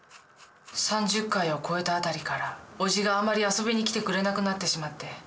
３０回を超えた辺りから叔父があまり遊びに来てくれなくなってしまって。